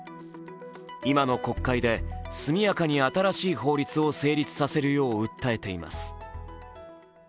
今の国会で速やかに新しい法律を成立させるよう訴えています。